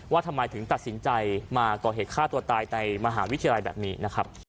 ว่าทำไมถึงตัดสินใจมาก่อเหตุฆ่าตัวตายในมหาวิทยาลัยแบบนี้นะครับ